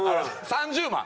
３０万。